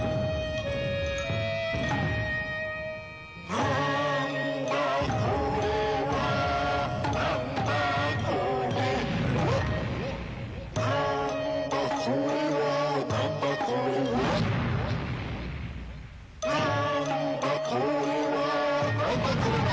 なんだこれはなんだこれはなんだこれはなんだこれはなんだこれはなんだこれは！